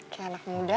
kayak anak muda